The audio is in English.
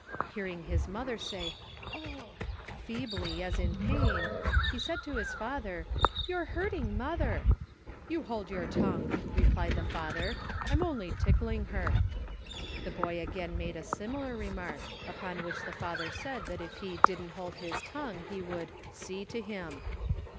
Hearing his mother say, "Oh!" feebly, as is in pain, he said to his father, "Your hurting mother." "You hold your tongue," replied the father, "I'm only tickling her." The boy again made a similar remark, upon which the father said that if he didn't hold his tongue he would "see to him."